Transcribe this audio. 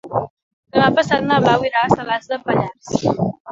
Demà passat na Blau irà a Salàs de Pallars.